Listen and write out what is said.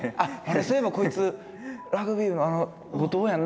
そういえばこいつラグビー部のあの後藤やんな。